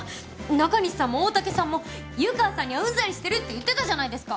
中西さんも大竹さんも湯川さんにはうんざりしてるって言ってたじゃないですか。